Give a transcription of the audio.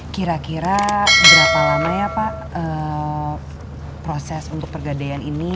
kira kira berapa lama ya pak proses untuk pergadaian ini